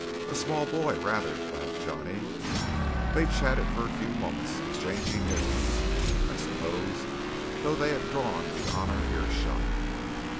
"A small boy, rather," laughed Johnny. They chatted for a few moments, exchanging news, I suppose, though they had drawn beyond our ear shot.